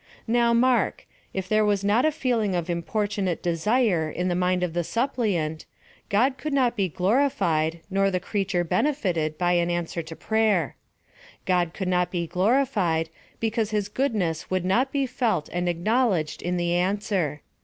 Now, mark, if there vas not a feeling of importunate desire in the mind of the suppliant, God could not be glorified nor the creature benefitted by an answer to prayer. God could not be glorified, because his goodness would not be felt and acknowledged in the answer.